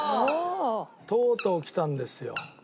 とうとう来たんですよ。